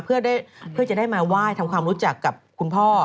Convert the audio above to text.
เพื่อจะได้มาไหว้ทำความรู้จักกับคุณพ่อ